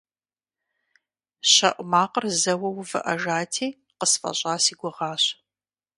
ЩэӀу макъыр зэуэ увыӀэжати, къысфӀэщӀа си гугъащ.